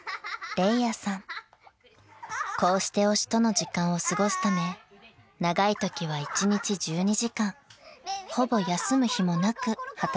［こうして推しとの時間を過ごすため長いときは１日１２時間ほぼ休む日もなく働いています］